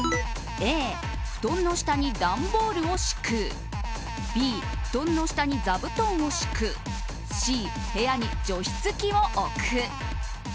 Ａ、布団の下に段ボールを敷くＢ、布団の下に座布団を敷くＣ、部屋に除湿機を置く。